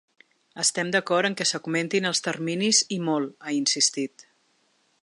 “Estem d’acord en que s’augmentin els terminis i molt”, ha insistit.